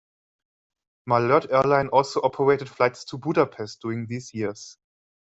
Malert airline also operated flights to Budapest during these years.